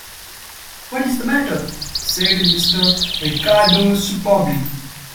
"What is the matter?" said Mr. Ricardo superbly.